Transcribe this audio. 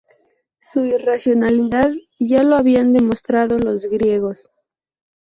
Su irracionalidad ya lo habían demostrado los griegos.